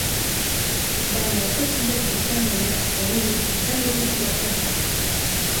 Baina hauteskunde kanpaina honek, seguru, izango du sorpresarik.